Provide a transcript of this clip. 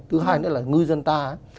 thứ hai nữa là ngư dân ta ấy